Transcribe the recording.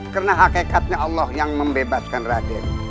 karena hakikatnya allah yang membebaskan raden